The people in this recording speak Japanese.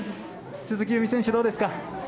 鈴木夕湖選手、どうですか？